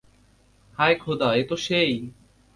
হায় খোদা, এ তো সেই।